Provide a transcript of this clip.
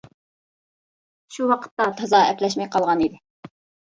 شۇ ۋاقىتتا تازا ئەپلەشمەي قالغان ئىدى.